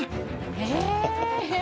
へえ！